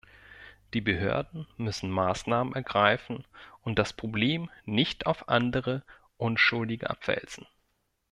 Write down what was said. Die Behörden müssen Maßnahmen ergreifen und das Problem nicht auf andere, Unschuldige abwälzen.